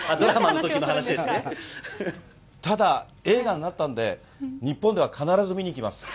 ただ、映画になったんで、日本では必ず見に行きます。